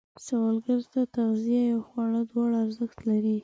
سوالګر ته نغدې یا خواړه دواړه ارزښت لري